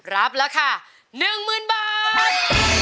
รับราคา๑๐๐๐บาท